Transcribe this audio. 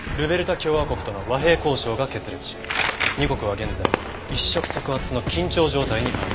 共和国との和平交渉が決裂し２国は現在一触即発の緊張状態にある。